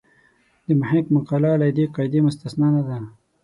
د محق مقاله له دې قاعدې مستثنا نه ده.